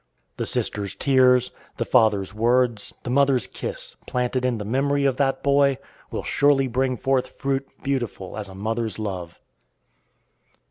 The sister's tears, the father's words, the mother's kiss, planted in the memory of that boy, will surely bring forth fruit beautiful as a mother's love.